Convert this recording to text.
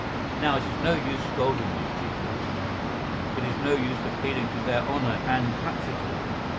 Now it is no use scolding these people. It is no use appealing to their honour and patriotism.